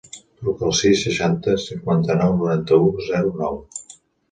Truca al sis, seixanta, cinquanta-nou, noranta-u, zero, nou.